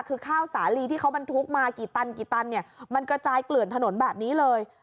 คือข้าวสาลีที่เขาบรรทุกมากี่ตันกี่ตันเนี่ยมันกระจายเกลื่อนถนนแบบนี้เลย